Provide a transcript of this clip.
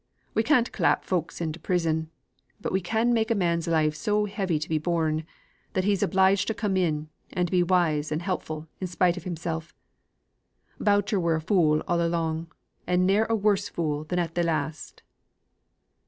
We can't clap folk into prison; but we can make a man's life so heavy to be borne, that he's obliged to come in, and be wise and helpful in spite of himsel'. Boucher were a fool all along, and ne'er a worse fool than at th' last."